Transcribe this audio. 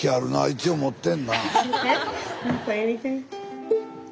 一応持ってんな。